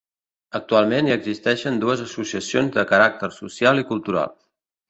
Actualment hi existeixen dues associacions de caràcter social i cultural.